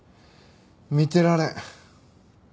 見てられん。